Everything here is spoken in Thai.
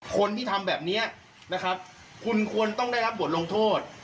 คนที่ทำแบบนี้นะครับคุณควรต้องได้รับบทลงโทษ